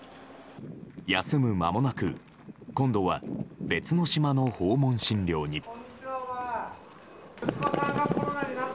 休む間もなく今度は別の島の訪問診療に。